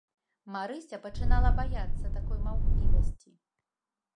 Марыся пачынала баяцца такой маўклівасці.